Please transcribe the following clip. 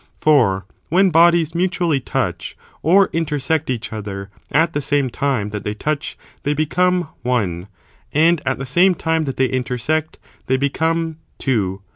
For when bodies mutually touch or intersect each other, at the same time that they touch they become one, and at the same time that they intersect they become two.